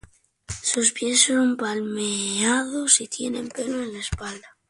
Sus pies son palmeados y tienen pelo en la espalda.